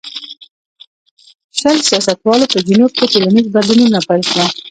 شل سیاستوالو په جنوب کې ټولنیز بدلونونه پیل کړل.